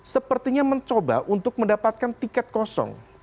sepertinya mencoba untuk mendapatkan tiket kosong